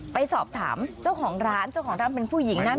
ไปสอบถามเจ้าของร้านเจ้าของร้านเป็นผู้หญิงนะ